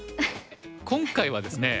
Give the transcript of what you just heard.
今回はですね